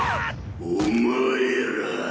お前らぁ。